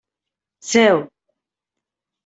Seu!